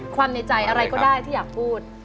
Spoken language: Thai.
ในใจอะไรก็ได้ที่อยากพูด